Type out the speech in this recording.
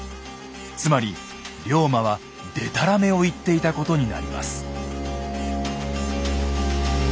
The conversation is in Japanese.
つまり龍馬はデタラメを言っていたことになります。